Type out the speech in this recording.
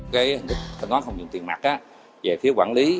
hình thức thanh toán không dùng tiền mặt về phía quản lý